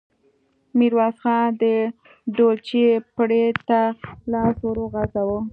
ميرويس خان د ډولچې پړي ته لاس ور وغځاوه.